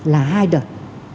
là hai đợt